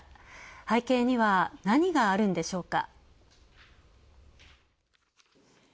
背景には何があるんでしょうか。